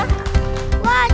cukup kita partil